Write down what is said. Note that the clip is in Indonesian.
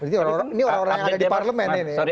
berarti ini orang orang yang ada di parlemen ini